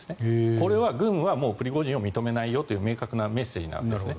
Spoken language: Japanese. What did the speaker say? これは軍はプリゴジンを認めないよという明確なメッセージなんですね。